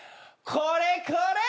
これこれ！